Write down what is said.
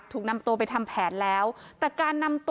ทุกประเทศที่ให้กำลังใช้ขอบคุณมาก